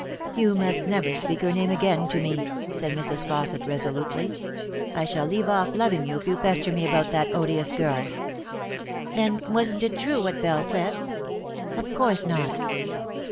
" You must never speak her name again to me," said Mrs. Fausset resolutely. " I shall leave off loving you if you pester me about that odious girl !"" Then wasn't it true what Bell said ?"" Of course not."